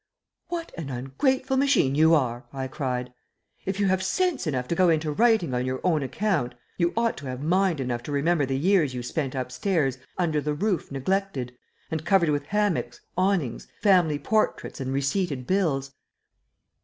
"What an ungrateful machine you are!" I cried. "If you have sense enough to go into writing on your own account, you ought to have mind enough to remember the years you spent up stairs under the roof neglected, and covered with hammocks, awnings, family portraits, and receipted bills."